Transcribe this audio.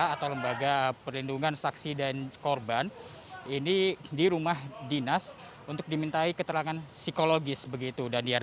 atau lembaga perlindungan saksi dan korban ini di rumah dinas untuk dimintai keterangan psikologis begitu daniar